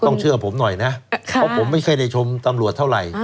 ต้องเชื่อผมหน่อยขอบคุณว่าผมไม่ใช่ในชมตำรวจเท่าไร